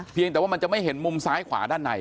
แต่ว่ามันจะไม่เห็นมุมซ้ายขวาด้านใน